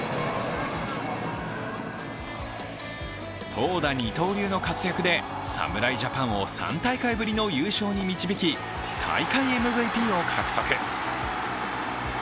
投打二刀流の活躍で侍ジャパンを３大会ぶりの優勝に導き大会ＭＶＰを獲得。